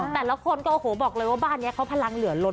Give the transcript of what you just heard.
แต่ละคนก็โอ้โหบอกเลยว่าบ้านนี้เขาพลังเหลือล้น